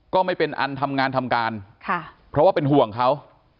ไม่เป็นอันทำงานทำการค่ะเพราะว่าเป็นห่วงเขา